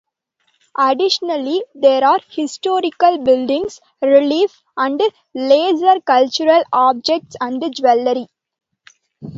Additionally there are historical buildings, reliefs and lesser cultural objects and jewelry.